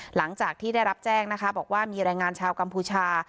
หลังจากที่ได้รับแจ้งนะคะบอกว่ามีแรงงานชาวกัมพูชา